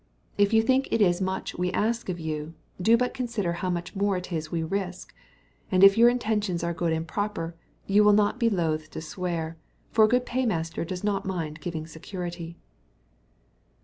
If you think it is much we ask of you, do but consider how much more it is we risk; and if your intentions are good and proper, you will not be loth to swear; for a good paymaster does not mind giving security."